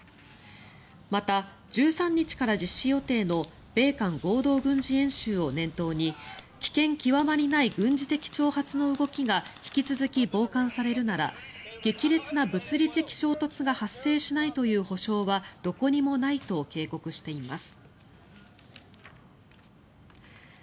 また、１３日から実施予定の米韓合同軍事演習を念頭に危険極まりない軍事的挑発の動きが引き続き傍観されるなら激烈な物理的衝突が発生しないという保証はどこにもないと警告しています。